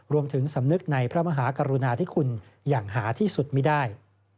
รวมถึงสำนึกในพระมหากรุณาที่คุณอย่างหาที่สุดมิได้